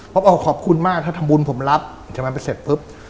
บอกขอบคุณมากถ้าทำบุญผมรับใช่ไหมไปเสร็จปุ๊บ